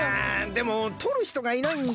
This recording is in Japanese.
でもとるひとがいないんだよ。